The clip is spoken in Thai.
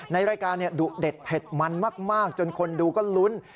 ในรายการดุเด็ดเผ็ดมันมากจนคนดูก็ลุ้น